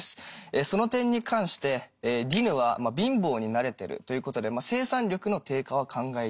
その点に関してディヌは貧乏に慣れてるということで生産力の低下は考えにくい。